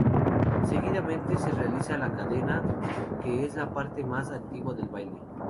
Seguidamente se realiza la "Cadena", que es la parte más antigua del baile.